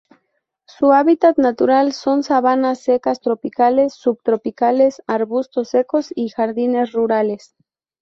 Su hábitat natural son sabanas secas, tropicales o subtropicales; arbustos secos y jardines rurales.